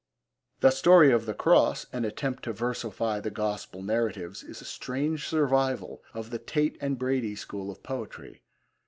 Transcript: The Story of the Cross, an attempt to versify the Gospel narratives, is a strange survival of the Tate and Brady school of poetry.